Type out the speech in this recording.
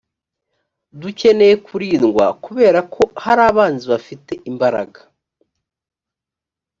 dukeneye kurindwa kubera ko hari abanzi bafite imbaraga